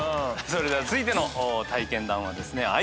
それでは続いての体験談はですね